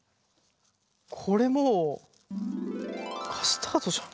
これもうカスタードじゃん。